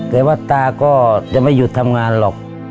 แต่ว่าตาก็จะไม่หยุดทำงานหรอก